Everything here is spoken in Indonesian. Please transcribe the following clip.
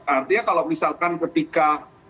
artinya kalau misalkan ketika